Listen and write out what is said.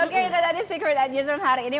oke itu tadi secret at newsroom hari ini